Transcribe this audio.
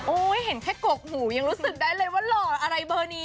เห็นแค่กกหูยังรู้สึกได้เลยว่าหล่ออะไรเบอร์นี้